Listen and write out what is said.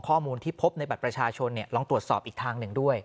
ข้อมูลที่พบในบัตรประชาชนลองตรวจสอบอีกทางหนึ่งด้วย